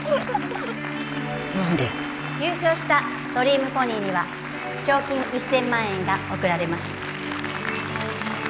何で優勝したドリームポニーには賞金１０００万円が贈られます